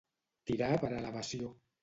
Tirar per elevació.